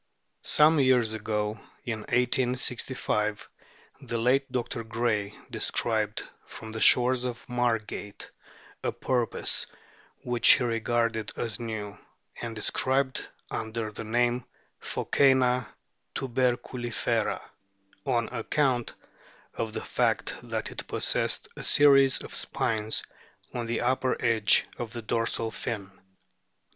Some years ago (in 1865) the late Dr. Gray descried from the shores off Margate a porpoise, which he regarded as new, and described under the name of P/ioccena tiLberculifera, on account of the fact that it possessed "a series of spines on the upper edge" of the dorsal fin. Dr.